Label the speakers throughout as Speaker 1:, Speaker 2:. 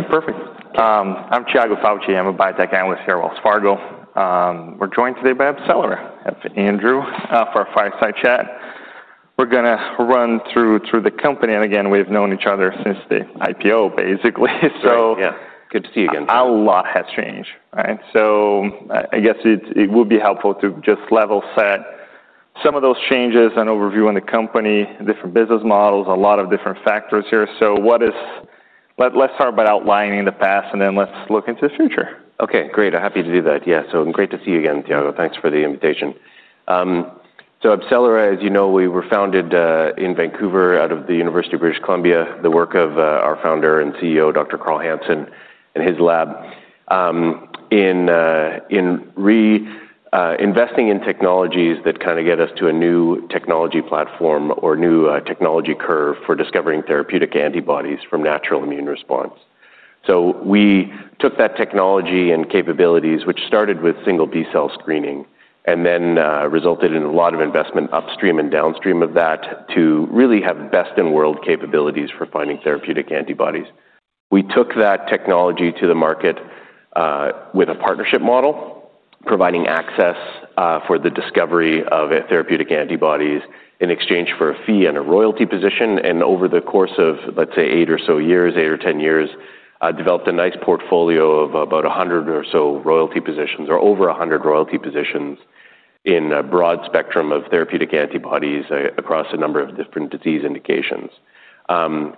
Speaker 1: Perfect. I'm Thiago Fauci, I'm a biotech analyst here at Wells Fargo. We're joined today by AbCellera Biologics. I have Andrew for our fireside chat. We're going to run through the company. We've known each other since the IPO, basically.
Speaker 2: Yeah, good to see you again.
Speaker 1: A lot has changed. I guess it would be helpful to just level set some of those changes and overview on the company, different business models, a lot of different factors here. Let's talk about outlining the past and then let's look into the future.
Speaker 2: Okay, great. I'm happy to do that. Yeah. Great to see you again, Thiago. Thanks for the invitation. AbCellera Biologics, as you know, we were founded in Vancouver out of the University of British Columbia, the work of our founder and CEO, Dr. Carl Hansen, and his lab in reinvesting in technologies that kind of get us to a new technology platform or new technology curve for discovering therapeutic antibodies from natural immune response. We took that technology and capabilities, which started with single B-cell screening, and then resulted in a lot of investment upstream and downstream of that to really have best-in-world capabilities for finding therapeutic antibodies. We took that technology to the market with a partnership model, providing access for the discovery of therapeutic antibodies in exchange for a fee and a royalty position. Over the course of, let's say, eight or so years, eight or ten years, developed a nice portfolio of about 100 or so royalty positions or over 100 royalty positions in a broad spectrum of therapeutic antibodies across a number of different disease indications.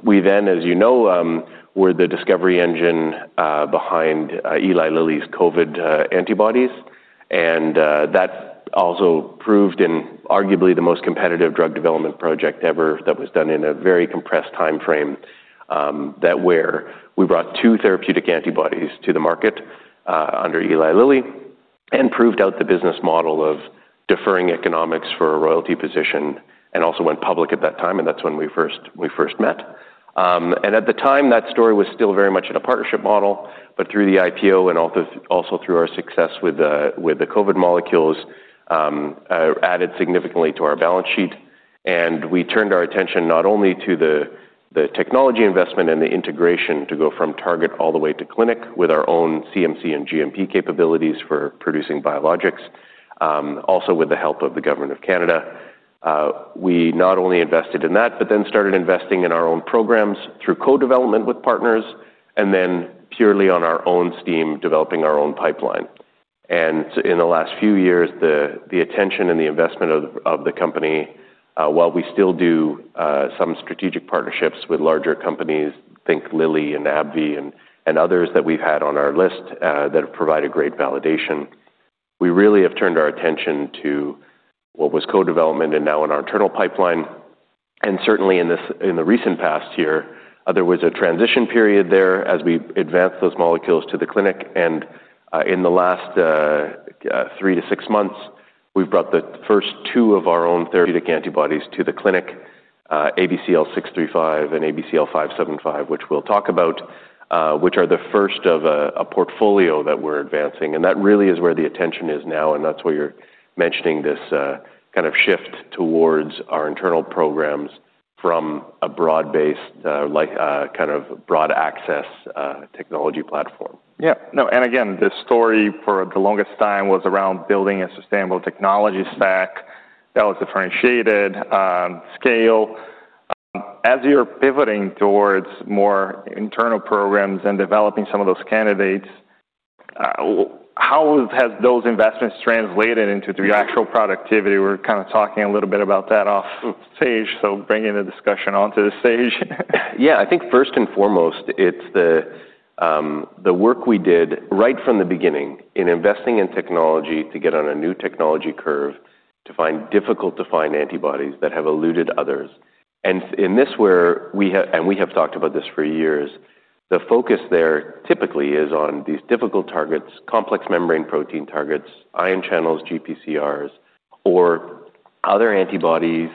Speaker 2: We then, as you know, were the discovery engine behind Eli Lilly's COVID antibodies. That also proved in arguably the most competitive drug development project ever that was done in a very compressed time frame, where we brought two therapeutic antibodies to the market under Eli Lilly and proved out the business model of deferring economics for a royalty position and also went public at that time. That's when we first met. At the time, that story was still very much in a partnership model. Through the IPO and also through our success with the COVID molecules, added significantly to our balance sheet. We turned our attention not only to the technology investment and the integration to go from target all the way to clinic with our own CMC and GMP capabilities for producing biologics, also with the help of the Government of Canada. We not only invested in that, but then started investing in our own programs through co-development with partners and then purely on our own steam, developing our own pipeline. In the last few years, the attention and the investment of the company, while we still do some strategic partnerships with larger companies, think Eli Lilly and AbbVie and others that we've had on our list that provide great validation, we really have turned our attention to what was co-development and now in our internal pipeline. Certainly in the recent past year, there was a transition period there as we advanced those molecules to the clinic. In the last three to six months, we've brought the first two of our own therapeutic antibodies to the clinic, ABCL635 and ABCL575, which we'll talk about, which are the first of a portfolio that we're advancing. That really is where the attention is now. That's why you're mentioning this kind of shift towards our internal programs from a broad-based, kind of broad access technology platform.
Speaker 1: No. The story for the longest time was around building a sustainable technology stack that was differentiated at scale. As you're pivoting towards more internal programs and developing some of those candidates, how have those investments translated into the actual productivity? We're kind of talking a little bit about that off stage, bringing the discussion onto the stage.
Speaker 2: Yeah, I think first and foremost, it's the work we did right from the beginning in investing in technology to get on a new technology curve to find difficult to find antibodies that have eluded others. In this, where we have, and we have talked about this for years, the focus there typically is on these difficult targets, complex membrane protein targets, ion channels, GPCRs, or other antibodies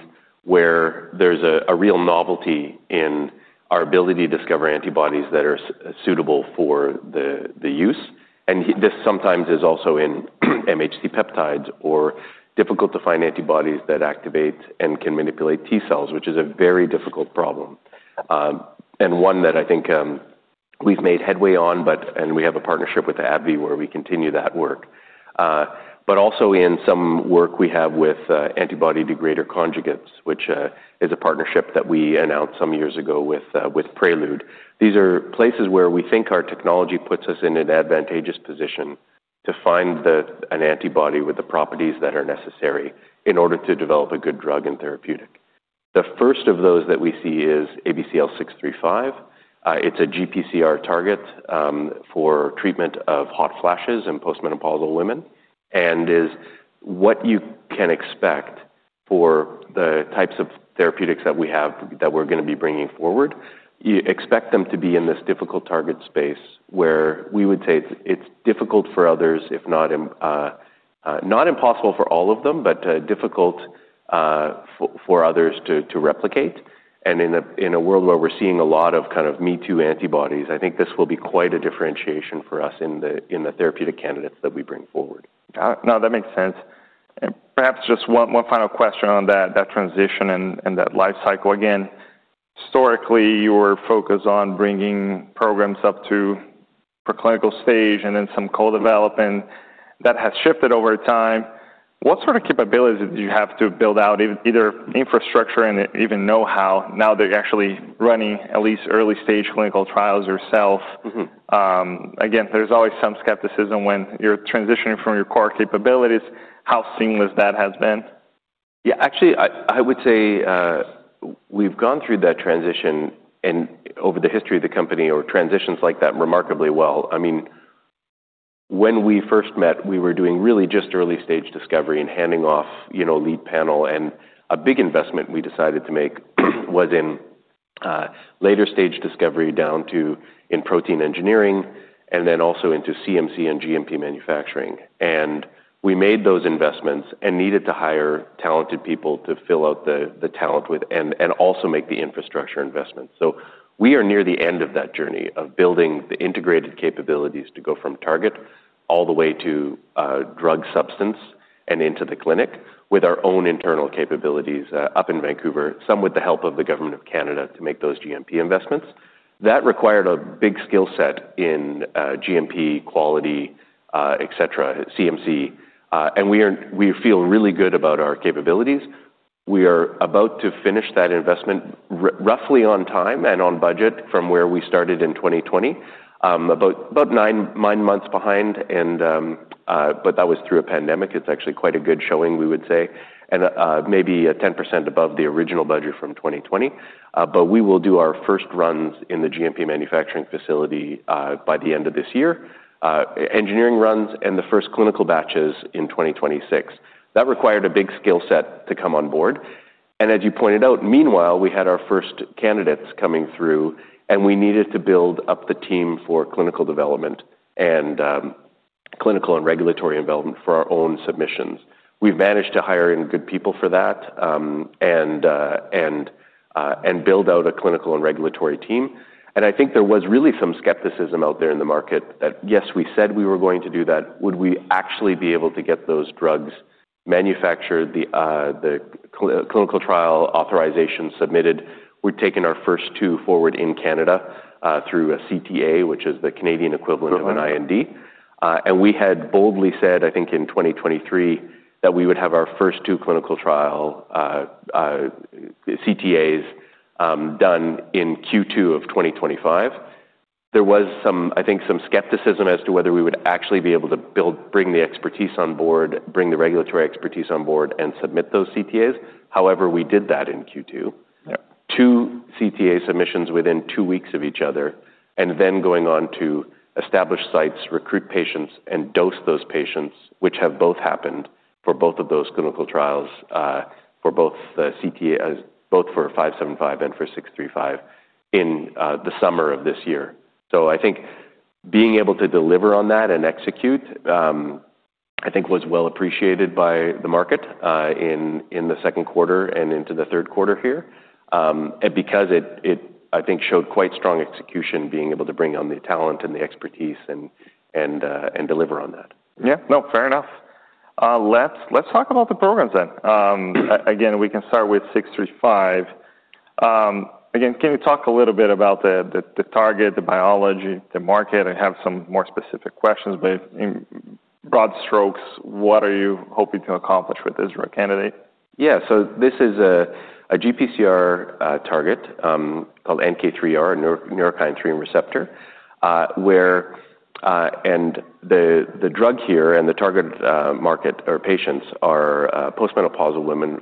Speaker 2: where there's a real novelty in our ability to discover antibodies that are suitable for the use. This sometimes is also in MHC peptides or difficult to find antibodies that activate and can manipulate T cells, which is a very difficult problem. One that I think we've made headway on, we have a partnership with AbbVie where we continue that work. Also, in some work we have with antibody degrader conjugates, which is a partnership that we announced some years ago with Prelude. These are places where we think our technology puts us in an advantageous position to find an antibody with the properties that are necessary in order to develop a good drug and therapeutic. The first of those that we see is ABCL635. It's a GPCR target for treatment of hot flashes in postmenopausal women and is what you can expect for the types of therapeutics that we have that we're going to be bringing forward. You expect them to be in this difficult target space where we would say it's difficult for others, if not impossible for all of them, but difficult for others to replicate. In a world where we're seeing a lot of kind of me too antibodies, I think this will be quite a differentiation for us in the therapeutic candidates that we bring forward.
Speaker 1: No, that makes sense. Perhaps just one final question on that transition and that lifecycle. Historically, you were focused on bringing programs up to preclinical stage and then some co-development that has shifted over time. What sort of capabilities do you have to build out either infrastructure and even know-how now that you're actually running at least early-stage clinical trials yourself? There is always some skepticism when you're transitioning from your core capabilities, how seamless that has been.
Speaker 2: Yeah, actually, I would say we've gone through that transition and over the history of the company or transitions like that remarkably well. I mean, when we first met, we were doing really just early-stage discovery and handing off lead panel. A big investment we decided to make was in later-stage discovery down to protein engineering and then also into CMC and GMP manufacturing. We made those investments and needed to hire talented people to fill out the talent with and also make the infrastructure investment. We are near the end of that journey of building the integrated capabilities to go from target all the way to drug substance and into the clinic with our own internal capabilities up in Vancouver, some with the help of the Government of Canada to make those GMP investments. That required a big skill set in GMP quality, etc., CMC. We feel really good about our capabilities. We are about to finish that investment roughly on time and on budget from where we started in 2020, about nine months behind. That was through a pandemic. It's actually quite a good showing, we would say, and maybe 10% above the original budget from 2020. We will do our first runs in the GMP manufacturing facility by the end of this year, engineering runs and the first clinical batches in 2026. That required a big skill set to come on board. As you pointed out, meanwhile, we had our first candidates coming through and we needed to build up the team for clinical development and clinical and regulatory development for our own submissions. We've managed to hire in good people for that and build out a clinical and regulatory team. I think there was really some skepticism out there in the market that, yes, we said we were going to do that. Would we actually be able to get those drugs manufactured, the clinical trial authorization submitted? We've taken our first two forward in Canada through a CTA, which is the Canadian equivalent of an IND. We had boldly said, I think in 2023, that we would have our first two clinical trial CTAs done in Q2 of 2025. There was some, I think, some skepticism as to whether we would actually be able to bring the expertise on board, bring the regulatory expertise on board and submit those CTAs. However, we did that in Q2. Two CTA submissions within two weeks of each other, and then going on to establish sites, recruit patients, and dose those patients, which have both happened for both of those clinical trials, for both CTAs, both for ABCL575 and for ABCL635 in the summer of this year. I think being able to deliver on that and execute was well appreciated by the market in the second quarter and into the third quarter here, because it showed quite strong execution, being able to bring on the talent and the expertise and deliver on that.
Speaker 1: Yeah, no, fair enough. Let's talk about the programs then. We can start with 635. Can you talk a little bit about the target, the biology, the market, and I have some more specific questions, but in broad strokes, what are you hoping to accomplish with this drug candidate? Yeah, so this is a GPCR target called NK3R, Neurokinin 3 Receptor, where the drug here and the target market or patients are postmenopausal women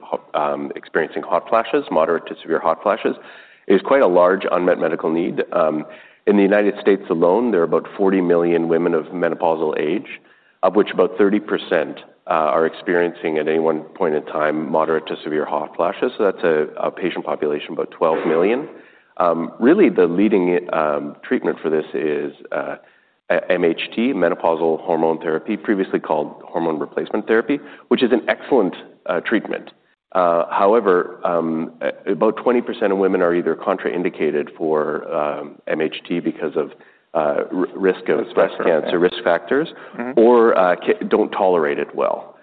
Speaker 1: experiencing hot flashes, moderate to severe hot flashes. It is quite a large unmet medical need. In the U.S. alone, there are about 40 million women of menopausal age, of which about 30% are experiencing at any one point in time moderate to severe hot flashes. That's a patient population, about 12 million. Really, the leading treatment for this is MHT, Menopausal Hormone Therapy, previously called hormone replacement therapy, which is an excellent treatment. However, about 20% of women are either contraindicated for MHT because of risk of breast cancer risk factors or don't tolerate it well,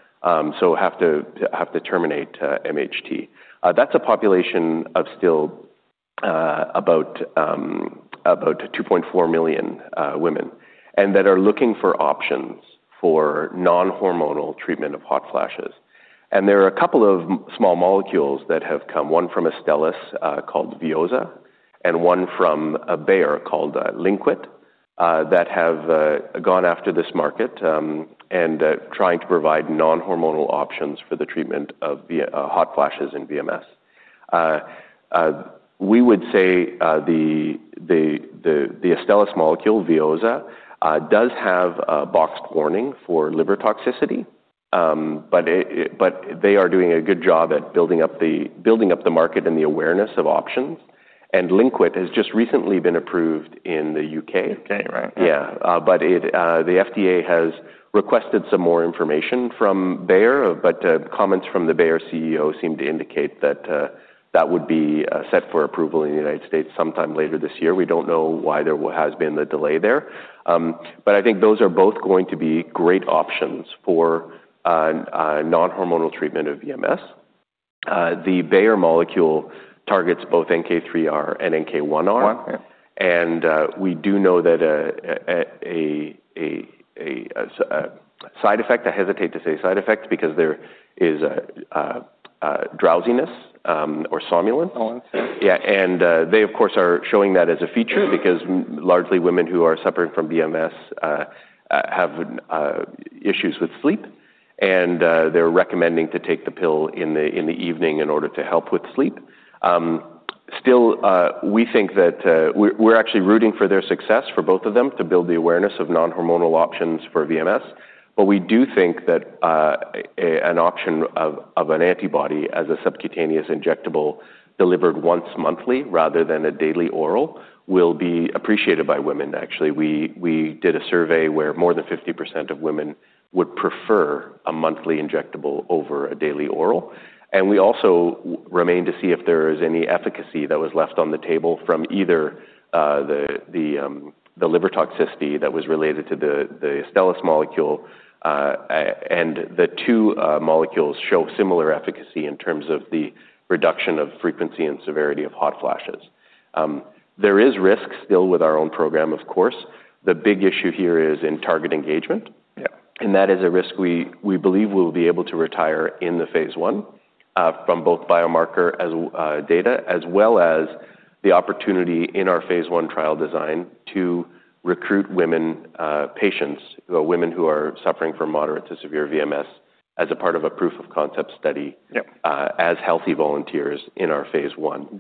Speaker 1: so have to terminate MHT. That's a population of still about 2.4 million women that are looking for options for non-hormonal treatment of hot flashes. There are a couple of small molecules that have come, one from Astellas called Veozah and one from Bayer called Linquade, that have gone after this market and are trying to provide non-hormonal options for the treatment of hot flashes in VMS. We would say the Astellas molecule Veozah does have a boxed warning for liver toxicity, but they are doing a good job at building up the market and the awareness of options. Linquade has just recently been approved in the U.K. UK, right?
Speaker 2: Yeah, the FDA has requested some more information from Bayer, and comments from the Bayer CEO seem to indicate that would be set for approval in the United States sometime later this year. We don't know why there has been the delay there. I think those are both going to be great options for non-hormonal treatment of VMS. The Bayer molecule targets both NK3R and NK1R. We do know that a side effect, I hesitate to say side effect, because there is drowsiness or somnolence. They, of course, are showing that as a feature because largely women who are suffering from VMS have issues with sleep. They're recommending to take the pill in the evening in order to help with sleep. Still, we think that we're actually rooting for their success, for both of them, to build the awareness of non-hormonal options for VMS. We do think that an option of an antibody as a subcutaneous injectable delivered once monthly rather than a daily oral will be appreciated by women. Actually, we did a survey where more than 50% of women would prefer a monthly injectable over a daily oral. We also remain to see if there is any efficacy that was left on the table from either the liver toxicity that was related to the Astellas molecule. The two molecules show similar efficacy in terms of the reduction of frequency and severity of hot flashes. There is risk still with our own program, of course. The big issue here is in target engagement. That is a risk we believe we'll be able to retire in the phase I from both biomarker data as well as the opportunity in our phase one trial design to recruit women patients, women who are suffering from moderate to severe VMS as a part of a proof of concept study as healthy volunteers in our phase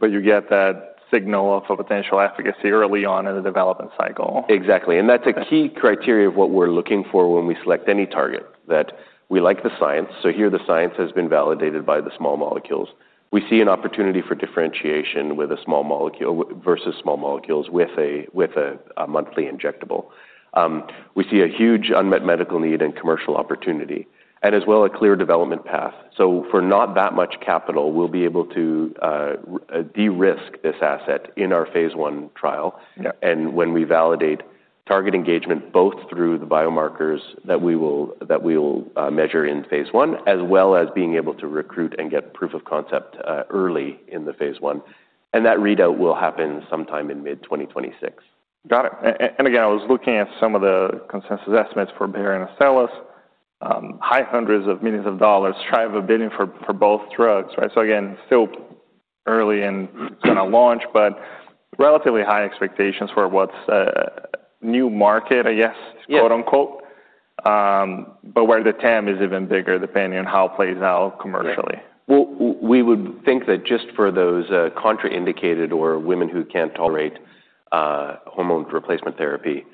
Speaker 2: I.
Speaker 1: You get that signal of a potential efficacy early on in the development cycle.
Speaker 2: Exactly. That's a key criteria of what we're looking for when we select any target, that we like the science. Here, the science has been validated by the small molecules. We see an opportunity for differentiation with a small molecule versus small molecules with a monthly injectable. We see a huge unmet medical need and commercial opportunity, as well as a clear development path. For not that much capital, we'll be able to de-risk this asset in our phase 1 trial. When we validate target engagement both through the biomarkers that we will measure in phase one, as well as being able to recruit and get proof of concept early in the phase I, that readout will happen sometime in mid-2026.
Speaker 1: Got it. I was looking at some of the consensus estimates for Bayer and Astellas, high hundreds of millions of dollars, tribal bidding for both drugs, right? Still early in a launch, but relatively high expectations for what's a new market, I guess, quote unquote. Where the TAM is even bigger, depending on how it plays out commercially.
Speaker 2: Yeah. We would think that just for those contraindicated or women who can't tolerate hormone replacement therapy,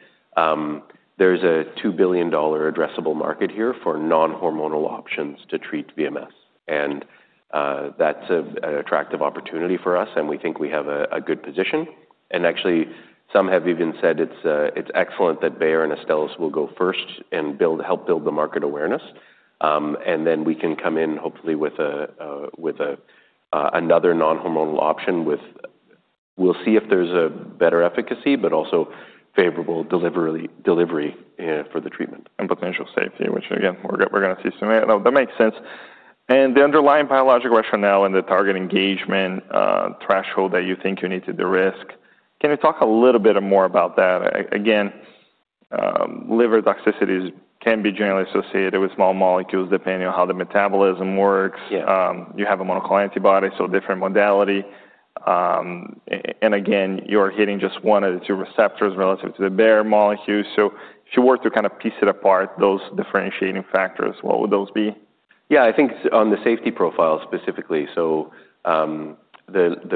Speaker 2: there's a $2 billion addressable market here for non-hormonal options to treat VMS. That's an attractive opportunity for us, and we think we have a good position. Actually, some have even said it's excellent that Bayer and Astellas will go first and help build the market awareness. We can come in hopefully with another non-hormonal option. We'll see if there's a better efficacy, but also favorable delivery for the treatment.
Speaker 1: Potential safety, which again, we're going to see soon. That makes sense. The underlying biological rationale and the target engagement threshold that you think you need to de-risk, can you talk a little bit more about that? Liver toxicities can be generally associated with small molecules depending on how the metabolism works. You have a monoclonal antibody, so a different modality. You're hitting just one of the two receptors relative to the Bayer molecule. If you were to kind of piece it apart, those differentiating factors, what would those be?
Speaker 2: Yeah, I think it's on the safety profile specifically. The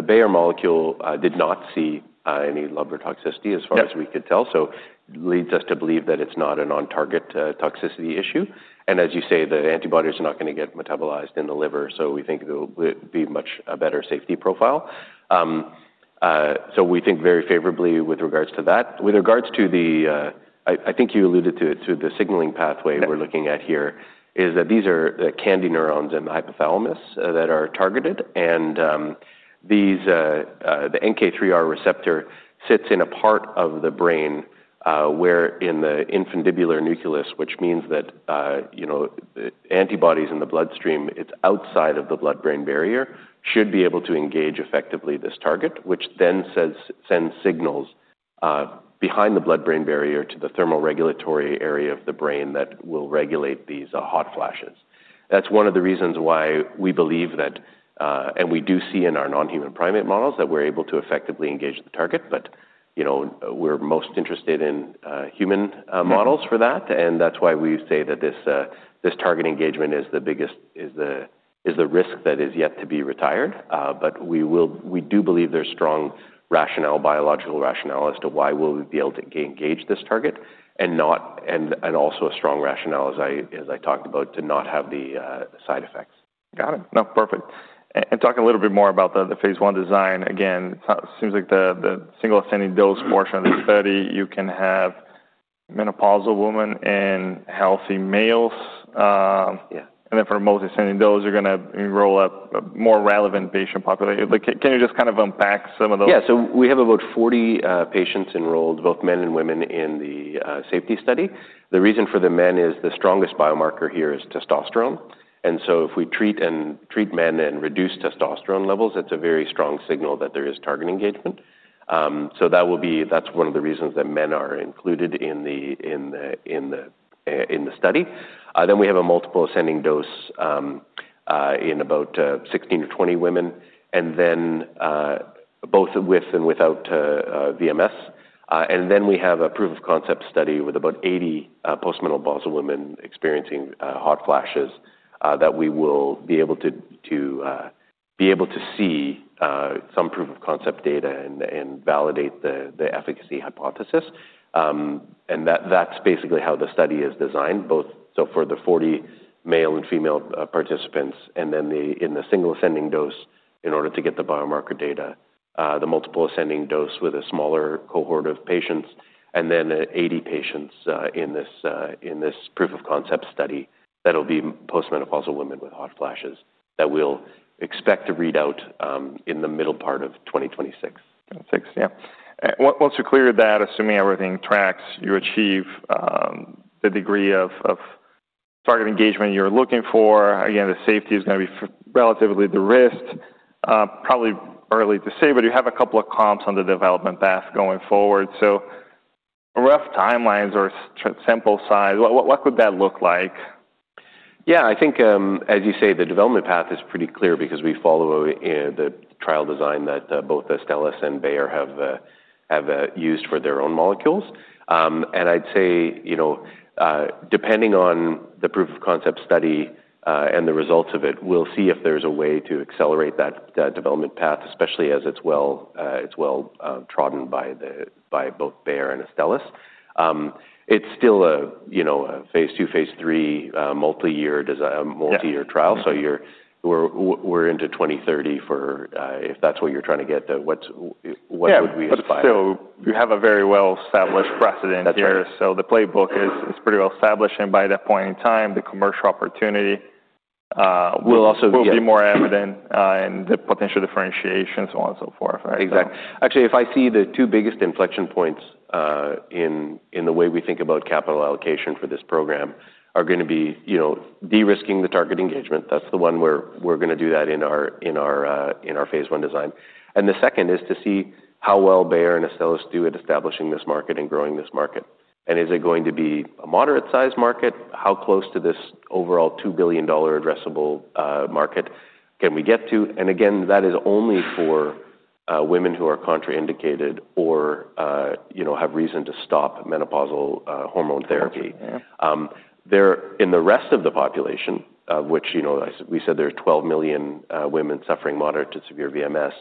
Speaker 2: Bayer molecule did not see any liver toxicity as far as we could tell, which leads us to believe that it's not an on-target toxicity issue. As you say, the antibodies are not going to get metabolized in the liver. We think it would be a much better safety profile. We think very favorably with regards to that. With regards to the signaling pathway we're looking at here, these are the KNDy neurons in the hypothalamus that are targeted. The NK3R receptor sits in a part of the brain, the infundibular nucleus, which means that antibodies in the bloodstream, it's outside of the blood-brain barrier, should be able to engage effectively this target, which then sends signals behind the blood-brain barrier to the thermoregulatory area of the brain that will regulate these hot flashes. That's one of the reasons why we believe that, and we do see in our non-human primate models that we're able to effectively engage the target. We're most interested in human models for that. That's why we say that this target engagement is the risk that is yet to be retired. We do believe there's strong rationale, biological rationale as to why we'll be able to engage this target and also a strong rationale, as I talked about, to not have the side effects.
Speaker 1: Got it. No, perfect. Talking a little bit more about the phase I design, again, it seems like the single ascending dose portion is 30. You can have menopausal women and healthy males. For multi-ascending dose, you're going to enroll a more relevant patient population. Can you just kind of unpack some of those?
Speaker 2: Yeah, so we have about 40 patients enrolled, both men and women, in the safety study. The reason for the men is the strongest biomarker here is testosterone. If we treat men and reduce testosterone levels, it's a very strong signal that there is target engagement. That is one of the reasons that men are included in the study. We have a multiple ascending dose in about 16- 20 women, both with and without VMS. We have a proof of concept study with about 80 postmenopausal women experiencing hot flashes, and we will be able to see some proof of concept data and validate the efficacy hypothesis. That is basically how the study is designed, both for the 40 male and female participants and in the single ascending dose in order to get the biomarker data, the multiple ascending dose with a smaller cohort of patients, and 80 patients in this proof of concept study that will be postmenopausal women with hot flashes. We will expect to read out in the middle part of 2026.
Speaker 1: Once we clear that, assuming everything tracks, you achieve the degree of target engagement you're looking for. Again, the safety is going to be relatively de-risked, probably early to say, but you have a couple of comps on the development path going forward. Rough timelines or sample size, what would that look like?
Speaker 2: Yeah, I think, as you say, the development path is pretty clear because we follow the trial design that both Astellas and Bayer have used for their own molecules. I'd say, depending on the proof of concept study and the results of it, we'll see if there's a way to accelerate that development path, especially as it's well-trodden by both Bayer and Astellas. It's still a phase II, phase III, multi-year trial. We're into 2030 for, if that's what you're trying to get, what would we aspire?
Speaker 1: You have a very well-established precedent here. The playbook is pretty well established, and by that point in time, the commercial opportunity will also be more evident and the potential differentiation, so on and so forth.
Speaker 2: Exactly. If I see the two biggest inflection points in the way we think about capital allocation for this program, they are going to be de-risking the target engagement. That's the one where we're going to do that in our phase I design. The second is to see how well Bayer and Astellas do at establishing this market and growing this market. Is it going to be a moderate-sized market? How close to this overall $2 billion addressable market can we get to? That is only for women who are contraindicated or have reason to stop menopausal hormone therapy. In the rest of the population, which we said there's 12 million women suffering moderate to severe VMS,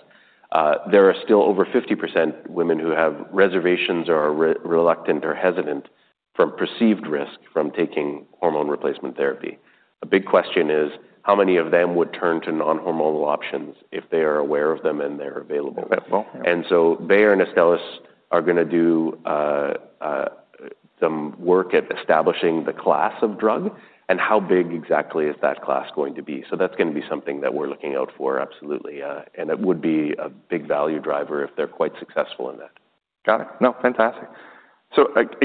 Speaker 2: there are still over 50% of women who have reservations or are reluctant or hesitant from perceived risk from taking hormone replacement therapy. A big question is how many of them would turn to non-hormonal options if they are aware of them and they're available. Bayer and Astellas are going to do some work at establishing the class of drug and how big exactly is that class going to be. That is going to be something that we're looking out for, absolutely. It would be a big value driver if they're quite successful in that.
Speaker 1: Got it. No, fantastic.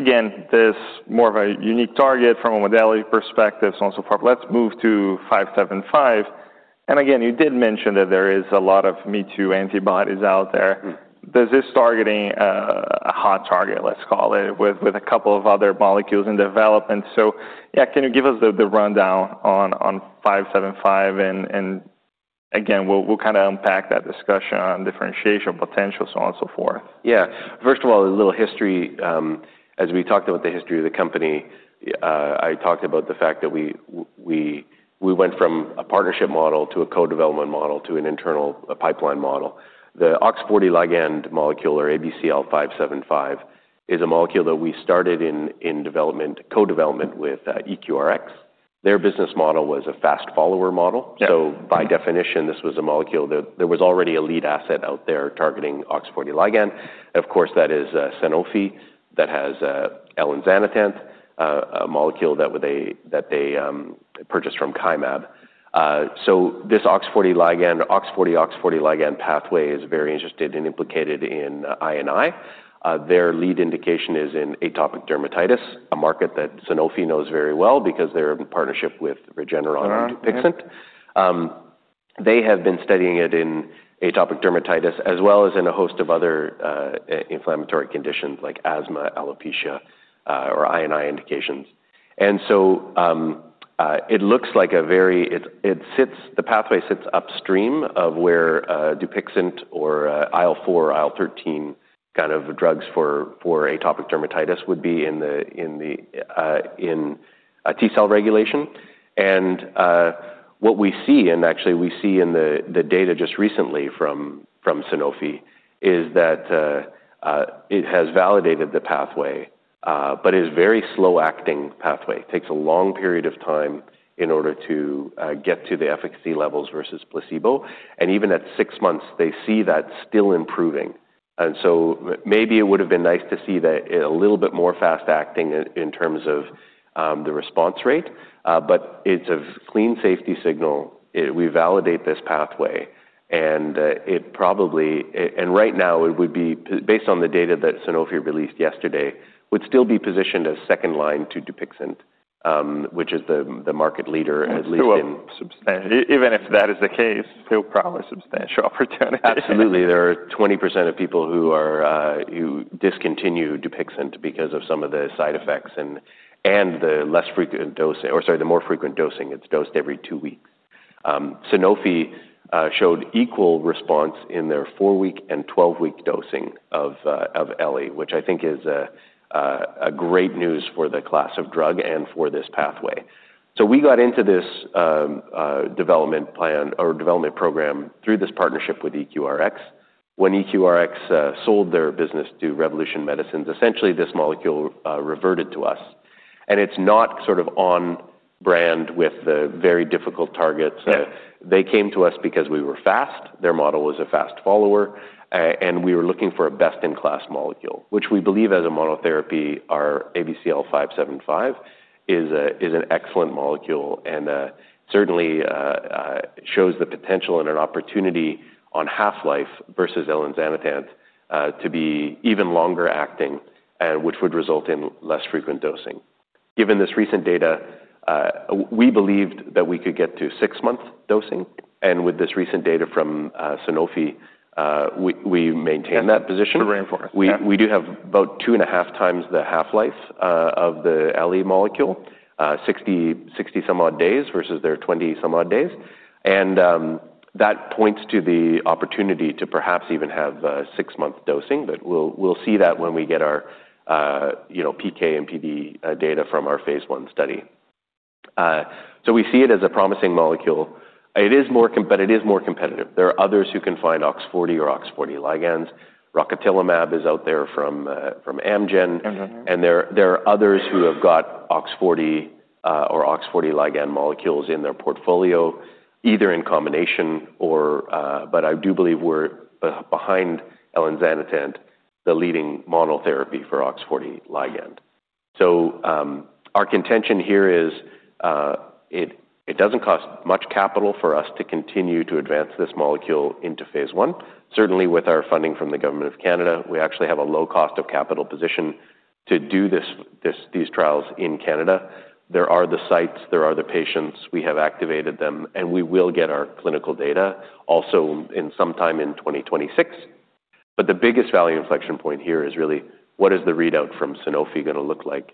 Speaker 1: There's more of a unique target from a modality perspective, so on and so forth. Let's move to 575. You did mention that there is a lot of me too antibodies out there. This is targeting a hot target, let's call it, with a couple of other molecules in development. Can you give us the rundown on 575? We'll kind of unpack that discussion on differentiation potential, so on and so forth.
Speaker 2: Yeah. First of all, a little history. As we talked about the history of the company, I talked about the fact that we went from a partnership model to a co-development model to an internal pipeline model. The OX40 ligand molecule or ABCL575 is a molecule that we started in co-development with EQRx. Their business model was a fast follower model. By definition, this was a molecule that there was already a lead asset out there targeting OX40 ligand. That is Sanofi that has L-enzanitant, a molecule that they purchased from CHIMAB. This OX40-OX40 ligand pathway is very interesting and implicated in INI. Their lead indication is in atopic dermatitis, a market that Sanofi knows very well because they're in partnership with Regeneron and Dupixent. They have been studying it in atopic dermatitis as well as in a host of other inflammatory conditions like asthma, alopecia, or INI indications. It looks like the pathway sits upstream of where Dupixent or IL-4, IL-13 kind of drugs for atopic dermatitis would be in T cell regulation. What we see, and actually we see in the data just recently from Sanofi, is that it has validated the pathway, but it is a very slow-acting pathway. It takes a long period of time in order to get to the efficacy levels versus placebo. Even at six months, they see that still improving. Maybe it would have been nice to see that a little bit more fast acting in terms of the response rate. It's a clean safety signal. We validate this pathway. Right now it would be, based on the data that Sanofi released yesterday, still be positioned as second line to Dupixent, which is the market leader, at least in.
Speaker 1: Even if that is the case, still probably substantial opportunity.
Speaker 2: Absolutely. There are 20% of people who discontinue Dupixent because of some of the side effects and the more frequent dosing. It's dosed every two weeks. Sanofi showed equal response in their four-week and 12-week dosing of L-enzanitant, which I think is great news for the class of drug and for this pathway. We got into this development plan or development program through this partnership with EQRx. When EQRx sold their business to Revolution Medicines, essentially this molecule reverted to us. It's not sort of on brand with the very difficult targets. They came to us because we were fast. Their model was a fast follower. We were looking for a best-in-class molecule, which we believe as a monotherapy, our ABCL575 is an excellent molecule and certainly shows the potential and an opportunity on half-life versus L-enzanitant to be even longer acting, which would result in less frequent dosing. Given this recent data, we believed that we could get to six-month dosing. With this recent data from Sanofi, we maintain that position. We do have about two- and- a -half times the half-life of the L-enzanitant molecule, 60 some odd days versus their 20 some odd days. That points to the opportunity to perhaps even have six-month dosing. We'll see that when we get our PK and PD data from our phase I study. We see it as a promising molecule. It is more competitive. There are others who can find OX40 or OX40 ligands. Rocatillumab is out there from Amgen. There are others who have got OX40 or OX40 ligand molecules in their portfolio, either in combination or, but I do believe we're behind L-enzanitant, the leading monotherapy for OX40 ligand. Our contention here is it doesn't cost much capital for us to continue to advance this molecule into phase I Certainly, with our funding from the Government of Canada, we actually have a low cost of capital position to do these trials in Canada. There are the sites, there are the patients, we have activated them, and we will get our clinical data also sometime in 2026. The biggest value inflection point here is really what is the readout from Sanofi going to look like?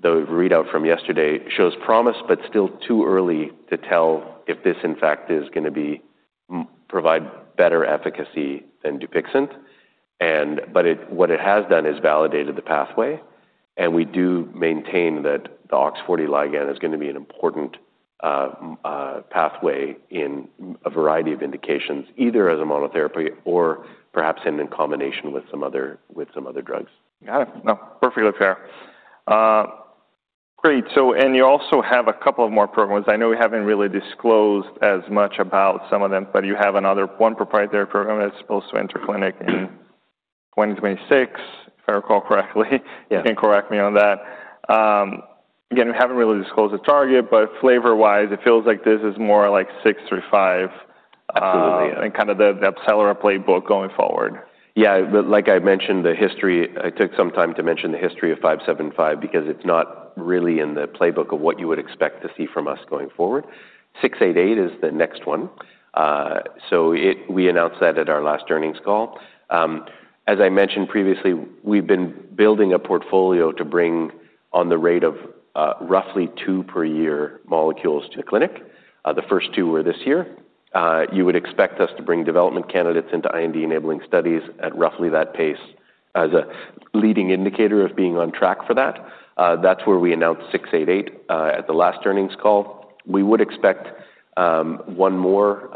Speaker 2: The readout from yesterday shows promise, but still too early to tell if this, in fact, is going to provide better efficacy than Dupixent. What it has done is validated the pathway. We do maintain that the OX40 ligand is going to be an important pathway in a variety of indications, either as a monotherapy or perhaps in combination with some other drugs.
Speaker 1: Got it. No, perfectly fair. Great. You also have a couple of more programs. I know we haven't really disclosed as much about some of them, but you have another proprietary program that's supposed to enter clinic in 2026, if I recall correctly. You can correct me on that. Again, we haven't really disclosed the target, but flavor-wise, it feels like this is more like 635 and kind of the AbCellera Biologics playbook going forward.
Speaker 2: Yeah, like I mentioned, the history, I took some time to mention the history of 575 because it's not really in the playbook of what you would expect to see from us going forward. 688 is the next one. We announced that at our last earnings call. As I mentioned previously, we've been building a portfolio to bring on the rate of roughly two per year molecules to the clinic. The first two were this year. You would expect us to bring development candidates into IND enabling studies at roughly that pace as a leading indicator of being on track for that. That's where we announced 688 at the last earnings call. We would expect one more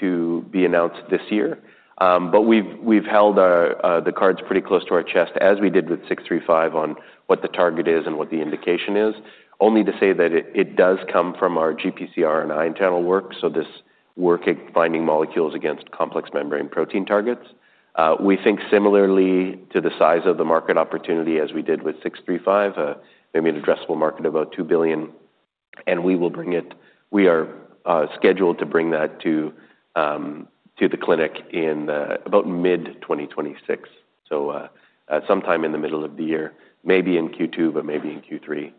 Speaker 2: to be announced this year. We've held the cards pretty close to our chest as we did with 635 on what the target is and what the indication is, only to say that it does come from our GPCR and ion channel work. This work at finding molecules against complex membrane protein targets. We think similarly to the size of the market opportunity as we did with 635, maybe an addressable market of about $2 billion. We are scheduled to bring that to the clinic in about mid-2026. Sometime in the middle of the year, maybe in Q2, maybe in Q3.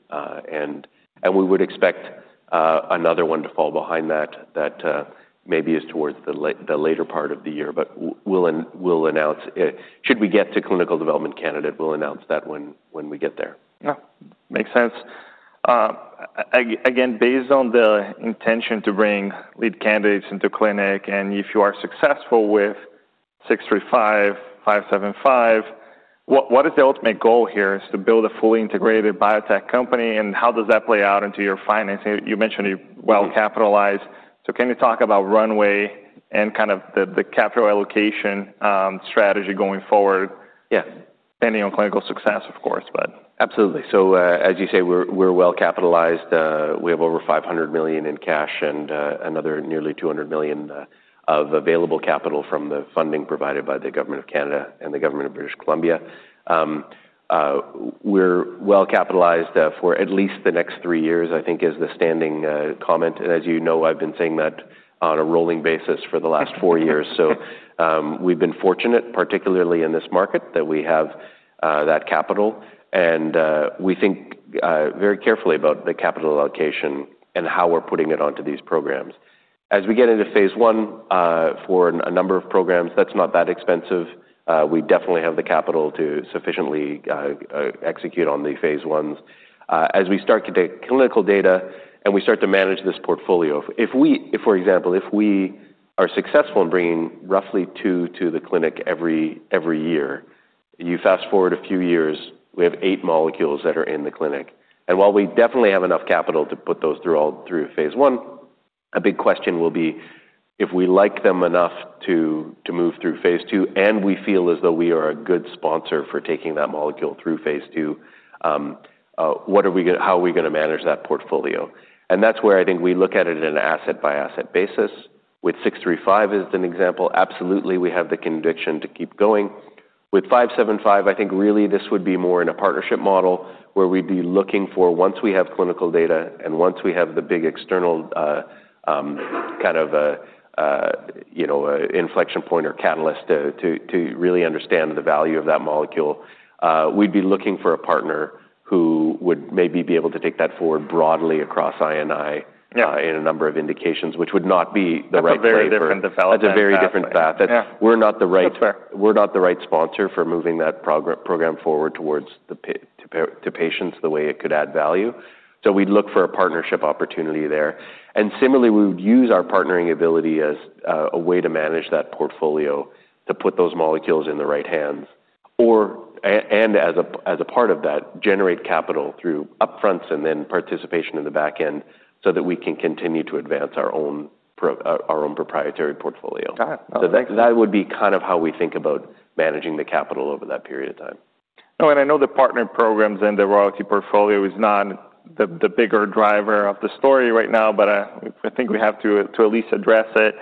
Speaker 2: We would expect another one to fall behind that, that maybe is towards the later part of the year. We'll announce, should we get to clinical development candidate, we'll announce that when we get there.
Speaker 1: No, makes sense. Again, based on the intention to bring lead candidates into clinic, and if you are successful with 635, 575, what is the ultimate goal here? Is it to build a fully integrated biotech company? How does that play out into your finance? You mentioned you're well capitalized. Can you talk about runway and kind of the capital allocation strategy going forward? Yeah, depending on clinical success, of course.
Speaker 2: Absolutely. As you say, we're well capitalized. We have over $500 million in cash and another nearly $200 million of available capital from the funding provided by the Government of Canada and the Government of British Columbia. We're well capitalized for at least the next three years, I think, is the standing comment. As you know, I've been saying that on a rolling basis for the last four years. We've been fortunate, particularly in this market, that we have that capital. We think very carefully about the capital allocation and how we're putting it onto these programs. As we get into phase I for a number of programs, that's not that expensive. We definitely have the capital to sufficiently execute on the phase ones. As we start to get clinical data and we start to manage this portfolio, if we, for example, if we are successful in bringing roughly two to the clinic every year, you fast forward a few years, we have eight molecules that are in the clinic. While we definitely have enough capital to put those through all through phase I, a big question will be if we like them enough to move through phase II and we feel as though we are a good sponsor for taking that molecule through phase two, how are we going to manage that portfolio? That's where I think we look at it in an asset-by-asset basis. With ABCL635 as an example, absolutely, we have the conviction to keep going. With ABCL575, I think really this would be more in a partnership model where we'd be looking for, once we have clinical data and once we have the big external kind of inflection point or catalyst to really understand the value of that molecule, we'd be looking for a partner who would maybe be able to take that forward broadly across INI in a number of indications, which would not be the right path.
Speaker 1: That's a very different development.
Speaker 2: That's a very different path. We're not the right sponsor for moving that program forward towards patients the way it could add value. We would look for a partnership opportunity there. Similarly, we would use our partnering ability as a way to manage that portfolio to put those molecules in the right hands, and as a part of that, generate capital through upfronts and then participation in the backend so that we can continue to advance our own proprietary portfolio.
Speaker 1: Got it.
Speaker 2: That would be kind of how we think about managing the capital over that period of time.
Speaker 1: Oh, I know the partner programs and the royalty portfolio is not the bigger driver of the story right now, but I think we have to at least address it.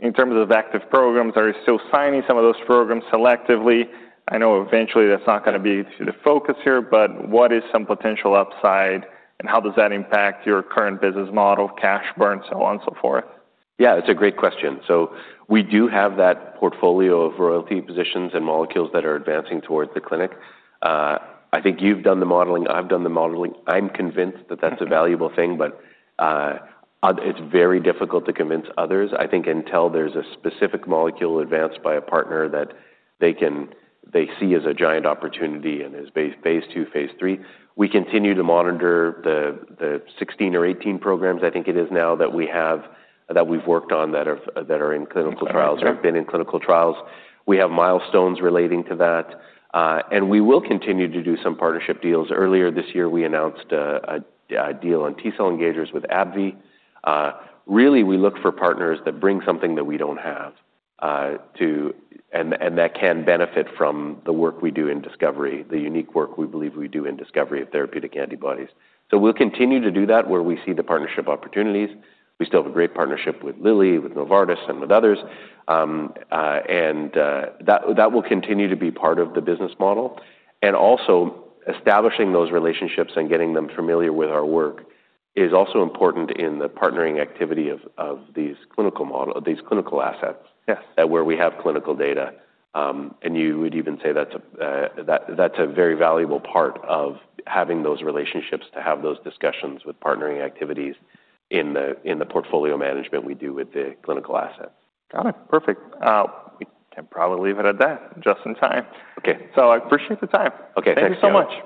Speaker 1: In terms of active programs, are you still signing some of those programs selectively? I know eventually that's not going to be the focus here, but what is some potential upside and how does that impact your current business model, cash burn, so on and so forth?
Speaker 2: Yeah, it's a great question. We do have that portfolio of royalty positions and molecules that are advancing towards the clinic. I think you've done the modeling, I've done the modeling, I'm convinced that that's a valuable thing, but it's very difficult to convince others. I think until there's a specific molecule advanced by a partner that they see as a giant opportunity and is phase II, phase III. We continue to monitor the 16 or 18 programs, I think it is now, that we've worked on that are in clinical trials or have been in clinical trials. We have milestones relating to that. We will continue to do some partnership deals. Earlier this year, we announced a deal on T-cell engagers with AbbVie. We look for partners that bring something that we don't have and that can benefit from the work we do in discovery, the unique work we believe we do in discovery of therapeutic antibodies. We'll continue to do that where we see the partnership opportunities. We still have a great partnership with Eli Lilly, with Novartis, and with others. That will continue to be part of the business model. Also, establishing those relationships and getting them familiar with our work is important in the partnering activity of these clinical assets where we have clinical data. You would even say that's a very valuable part of having those relationships to have those discussions with partnering activities in the portfolio management we do with the clinical assets.
Speaker 1: Got it. Perfect. I can probably leave it at that just in time.
Speaker 2: Okay.
Speaker 1: I appreciate the time.
Speaker 2: Okay, thank you.
Speaker 1: Thank you so much.